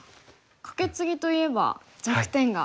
カケツギといえば弱点が。